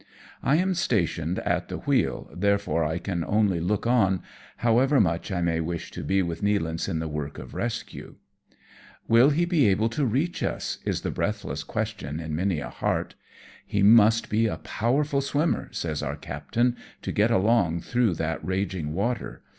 I am stationed at the wheel, therefore I can only look on, however much I may wish to be with Nealance in the work of rescue. 64 AMONG TYPHOONS AND PIRATE CRAFT. " Will he be able to reach us ?" is the breathless question ia many a heart. " He must be a powerful swimmer," says our captain, " to get along through that raging water.